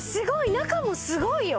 中もすごいよ！